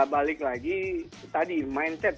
balik lagi tadi mindset